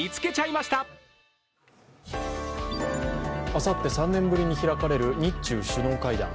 あさって３年ぶりに開かれる日中首脳会談。